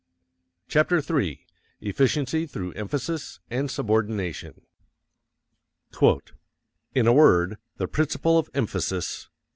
CHAPTER III EFFICIENCY THROUGH EMPHASIS AND SUBORDINATION In a word, the principle of emphasis...